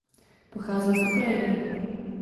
Pocházel z Ukrajiny.